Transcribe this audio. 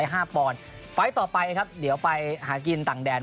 อย่างไรก็อยากให้ติดตามแล้วก็ให้กำลังใจกัน